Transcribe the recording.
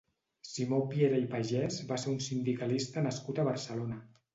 Simó Piera i Pagès va ser un sindicalista nascut a Barcelona.